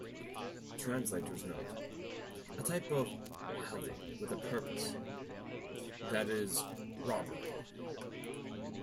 Translator's note: a type of "wilding" with a purpose, that is, robbery.